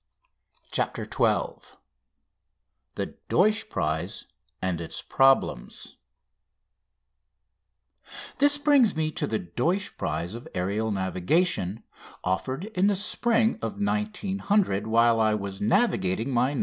5"] CHAPTER XII THE DEUTSCH PRIZE AND ITS PROBLEMS This brings me to the Deutsch prize of aerial navigation, offered in the spring of 1900, while I was navigating my "No.